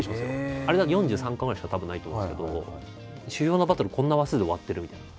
あれだって４３巻ぐらいしかたぶんないと思うんですけど主要なバトルこんな話数で終わってるみたいな。